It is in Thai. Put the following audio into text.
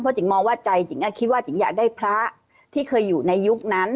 จิ๋งมองว่าใจจริงคิดว่าจิ๋งอยากได้พระที่เคยอยู่ในยุคนั้น